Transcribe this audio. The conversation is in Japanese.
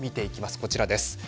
こちらです。